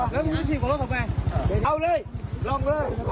เขาอุตส่าห์มาช่วยมีปัญหาเปล่าเออชิงเกิดแล้วเนี้ย